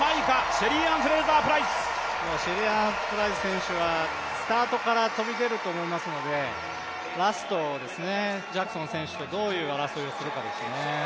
シェリーアン・フレイザー・プライス選手はスタートから飛び出ると思いますのでラストですね、ジャクソン選手とどういう争いをするかですね。